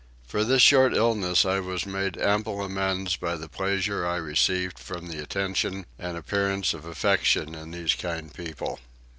For this short illness I was made ample amends by the pleasure I received from the attention and appearance of affection in these kind people.